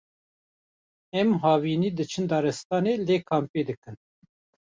em havînî diçin daristanê lê kampê dikin